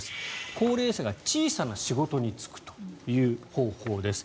高齢者が小さな仕事に就くという方法です。